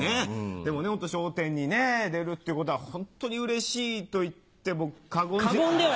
でもホント『笑点』に出るってことはホントにうれしいと言っても過言では。